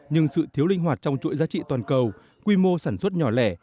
nhưng sự thiếu linh hoạt trong chuỗi giá trị toàn cầu quy mô sản xuất nhỏ lẻ